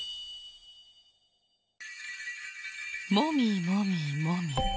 もみもみもみ。